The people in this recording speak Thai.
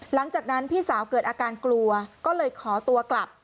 หลังจากนั้นพี่สาวเกิดอาการกลัวก็เลยขอตัวกลับ